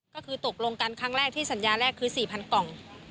ก็คือตกลงกันครั้งแรกที่สัญญาแรกคือ๔๐๐กล่อง